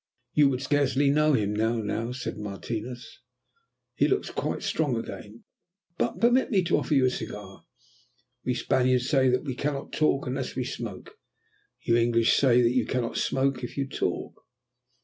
"You would scarcely know him now," said Martinos. "He looks quite strong again. But permit me to offer you a cigar. We Spaniards say that we cannot talk unless we smoke; you English that you cannot smoke if you talk."